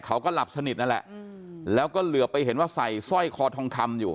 เขาก็หลับสนิทนั่นแหละแล้วก็เหลือไปเห็นว่าใส่สร้อยคอทองคำอยู่